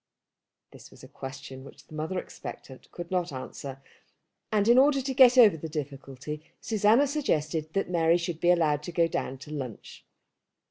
This was a question which the mother expectant could not answer, and in order to get over the difficulty Susanna suggested that Mary should be allowed to go down to lunch.